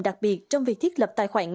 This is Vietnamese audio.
đặc biệt trong việc thiết lập tài khoản